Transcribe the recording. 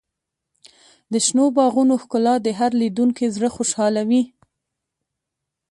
د شنو باغونو ښکلا د هر لیدونکي زړه خوشحالوي.